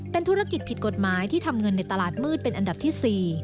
เป็นธุรกิจผิดกฎหมายที่ทำเงินในตลาดมืดเป็นอันดับที่๔